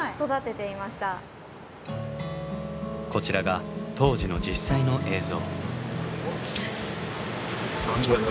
こちらが当時の実際の映像。